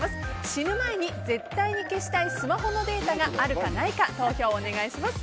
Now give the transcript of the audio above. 死ぬ前に絶対に消したいスマホのデータがあるかないか投票をお願いします。